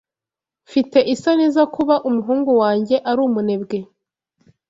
Mfite isoni zo kuba umuhungu wanjye ari umunebwe.